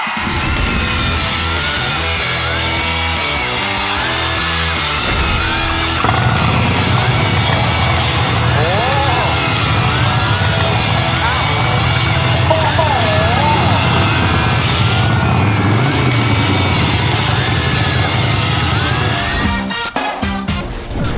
โบ๊ะโบ๊ะ